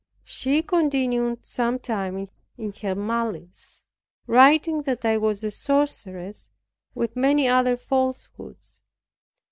She continued some time in her malice, writing that I was a sorceress, with many other falsehoods.